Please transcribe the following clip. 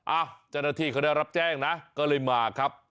เจ้าหน้าที่เขาได้รับแจ้งนะก็เลยมาครับ